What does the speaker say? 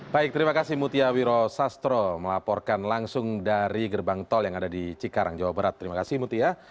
baik terima kasih mutia wiro sastro melaporkan langsung dari gerbang tol yang ada di cikarang jawa barat terima kasih mutia